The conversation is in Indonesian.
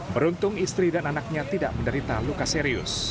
beruntung istri dan anaknya tidak menderita luka serius